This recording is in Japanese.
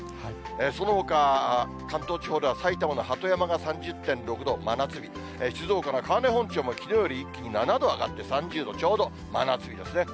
そのほか、関東地方では埼玉の鳩山が３０．６度、真夏日、静岡の川根本町もきのうより一気に７度上がって３０度ちょうど、真夏日ですね。